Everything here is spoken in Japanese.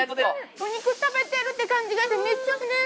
お肉食べてるって感じがしてめっちゃ幸せです。